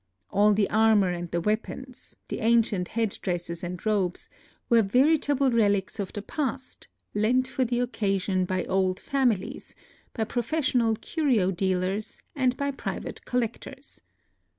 All the armor and the weapons, the ancient head dresses and robes, were veritable relics of the past, lent for the occasion by old families, by professional curio dealers, and by private collectors.